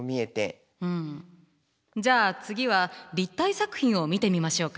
じゃあ次は立体作品を見てみましょうか。